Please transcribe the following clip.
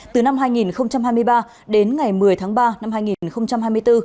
từ năm hai nghìn hai mươi ba đến ngày một mươi tháng ba năm hai nghìn hai mươi bốn